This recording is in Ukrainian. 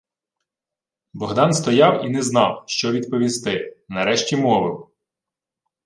Богдан стояв і не знав, що відповісти. Нарешті мовив: